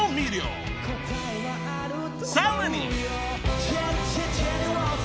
［さらに］